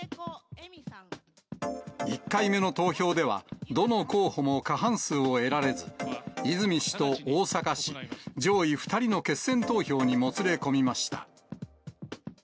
１回目の投票では、どの候補も過半数を得られず、泉氏と逢坂氏、上位２人の決選投票にもつれ込みました。